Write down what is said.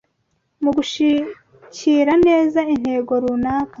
mugushikira neza intego runaka